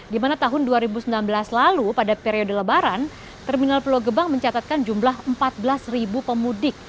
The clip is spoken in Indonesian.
dimana tahun dua ribu sembilan belas lalu pada periode lebaran terminal pulau gebang mencatatkan jumlah empat belas pemudik